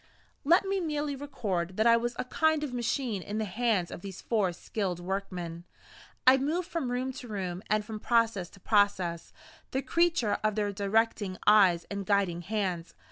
Let me merely record that I was a kind of machine in the hands of these four skilled workmen. I moved from room to room, and from process to process, the creature of their directing eyes and guiding hands.